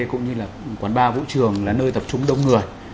cũng như là quán bar vũ trường là nơi tập trung đông người